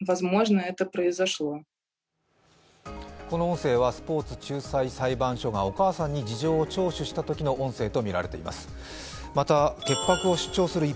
この音声はスポーツ仲裁裁判所がお母さんに事情を聴取したときの音声とみられています。